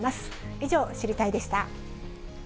以上、知りたいッ！でした。